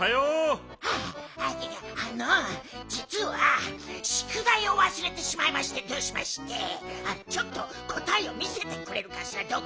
あのじつはしゅくだいをわすれてしまいましてどうしましてちょっとこたえを見せてくれるかしら？